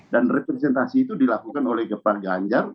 dan representasi itu dilakukan oleh gepa ganjar